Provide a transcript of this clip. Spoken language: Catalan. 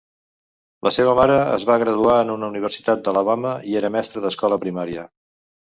La seva mare es va graduar en una universitat d'Alabama i era mestra d'escola primària.